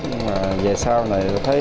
nhưng mà về sau này thấy